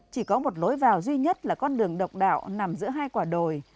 chỉ có một lối vào duy nhất là con đường độc đạo nằm giữa hai quả đồi